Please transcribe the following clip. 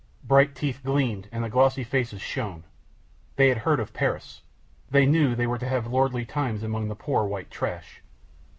Bright teeth gleamed and the glossy faces shone. They had heard of Paris. They knew they were to have lordly times among the poor white trash.